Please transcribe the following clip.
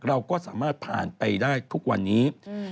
เราก็สามารถผ่านไปได้ทุกวันนี้